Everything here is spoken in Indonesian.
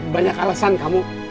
banyak alasan kamu